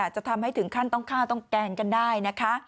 จะทำให้ถึงขั้นต้องฆ่าต้องแกล้งกันได้นะคะ